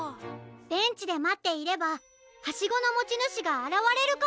ベンチでまっていればハシゴのもちぬしがあらわれるかも！